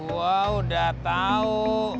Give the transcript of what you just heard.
wah udah tahu